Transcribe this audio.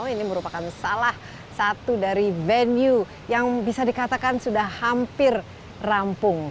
ini merupakan salah satu dari venue yang bisa dikatakan sudah hampir rampung